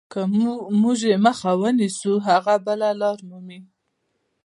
که موږ یې مخه ونیسو هغه بله لار مومي.